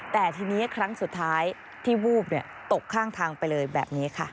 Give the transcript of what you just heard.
แต่ทีนี้ครั้งสุดท้ายที่วูบตกข้างทางไปเลยแบบนี้ค่ะ